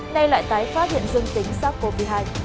nay lại tái phát hiện dương tính sars cov hai